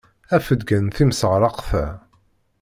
Af-d kan timseɛṛeqt-a!